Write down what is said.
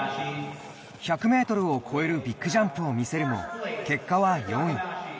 １００ｍを超えるビッグジャンプを見せるも結果は４位。